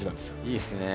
いいっすね。